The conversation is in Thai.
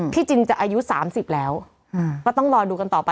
จินจะอายุ๓๐แล้วก็ต้องรอดูกันต่อไป